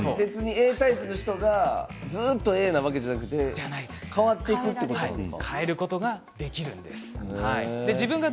Ａタイプがずっと永遠なわけではなく変わっていくということなんですか？